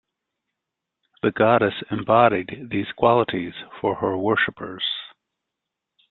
The goddess embodied these qualities for her worshippers.